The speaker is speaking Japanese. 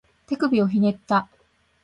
手首をひねった